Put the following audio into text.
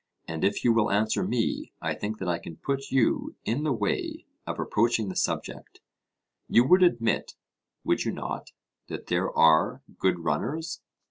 And if you will answer me, I think that I can put you in the way of approaching the subject: You would admit, would you not, that there are good runners?